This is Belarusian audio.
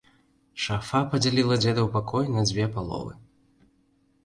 Шафа падзяляла дзедаў пакой на дзве паловы.